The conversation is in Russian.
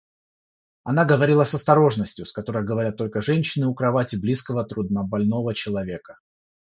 Она говорила с осторожностью, с которой говорят только женщины у кровати близкого труднобольного человека...